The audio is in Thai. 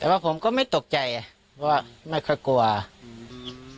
แต่ว่าผมก็ไม่ตกใจอ่ะเพราะว่าไม่ค่อยกลัวอืม